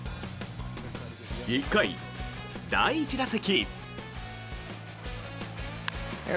１回、第１打席。